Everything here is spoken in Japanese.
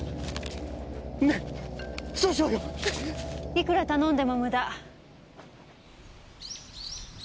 いくら頼んでも無駄。